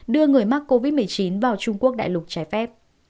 đưa người mắc covid một mươi chín vào trung quốc đại lục trái phép